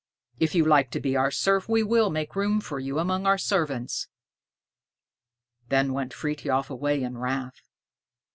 If you like to be our serf, we will make room for you among our servants." Then went Frithiof away in wrath.